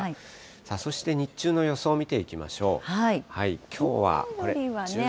そして日中の予想見ていきましょう。